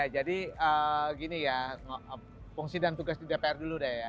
jadi fungsi dan tugas di dpr dulu